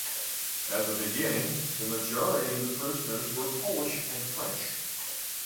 At the beginning, the majority of the prisoners were Polish and French.